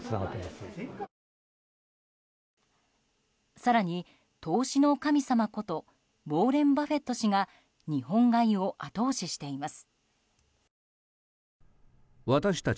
更に、投資の神様ことウォーレン・バフェット氏が日本買いを後押ししています。